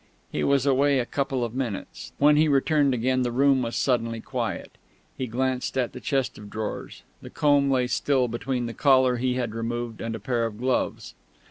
He was away a couple of minutes; when he returned again the room was suddenly quiet. He glanced at the chest of drawers; the comb lay still, between the collar he had removed and a pair of gloves.